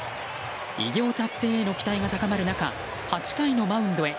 偉業達成への期待が高まる中８回のマウンドへ。